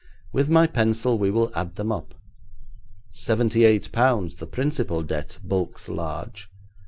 With my pencil we will add them up. Seventy eight pounds the principal debt bulks large.